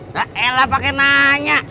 tak elah pake nanya